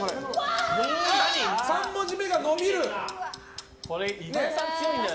３文字目がのびる。